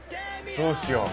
どうしよう。